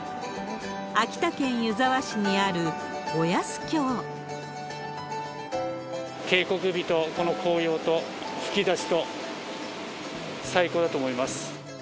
秋田県湯沢市にある、渓谷美と、この紅葉と、吹き出しと、最高だと思います。